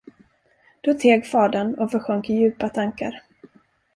Då teg fadern och försjönk i djupa tankar.